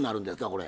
これ。